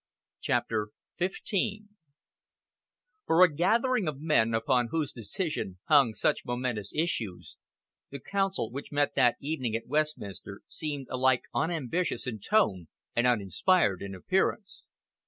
CHAPTER XV For a gathering of men upon whose decision hung such momentous issues, the Council which met that evening at Westminster seemed alike unambitious in tone and uninspired in appearance.